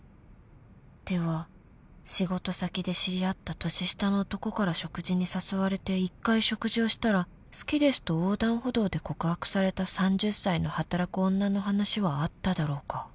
［では仕事先で知り合った年下の男から食事に誘われて一回食事をしたら「好きです」と横断歩道で告白された３０歳の働く女の話はあっただろうか？］